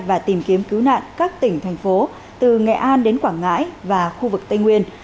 và tìm kiếm cứu nạn các tỉnh thành phố từ nghệ an đến quảng ngãi và khu vực tây nguyên